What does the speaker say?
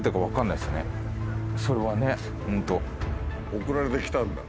送られてきたんだ。